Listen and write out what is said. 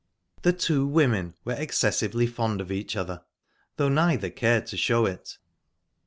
The two women were excessively fond of each other, thought neither cared to show it.